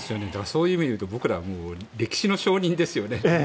そういう意味で言うと僕らは歴史の証人ですよね。